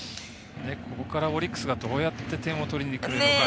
ここからオリックスがどうやって点を取りにくるのか。